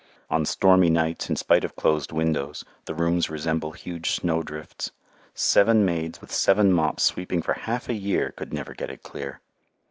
On stormy nights, in spite of closed windows, the rooms resemble huge snowdrifts. Seven maids with seven mops sweeping for half a year could never get it clear.